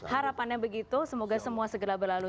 harapannya begitu semoga semua segera berlalu